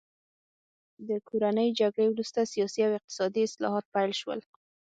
د کورنۍ جګړې وروسته سیاسي او اقتصادي اصلاحات پیل شول.